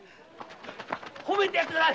褒めてください